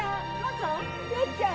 よっちゃん！